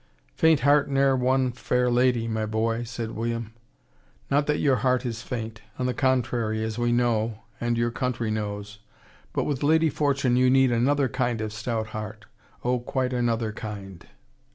"Faint heart ne'er won fair lady, my boy," said Sir William. "Not that your heart is faint. On the contrary as we know, and your country knows. But with Lady Fortune you need another kind of stout heart oh, quite another kind."